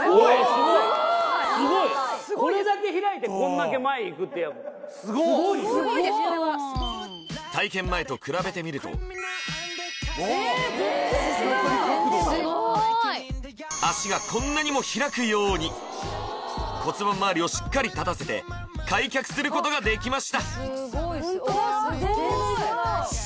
これだけ開いてこんだけ前へいくってすごいよ体験前と比べてみるとえ全然違う脚がこんなにも開くように骨盤まわりをしっかり立たせて開脚することができました